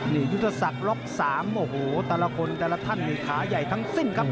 นี่ยุทธศักดิ์ล็อก๓โอ้โหแต่ละคนแต่ละท่านนี่ขาใหญ่ทั้งสิ้นครับ